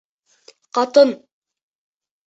Ҡатын.